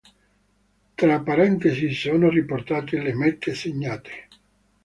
Tra parentesi sono riportate le mete segnate.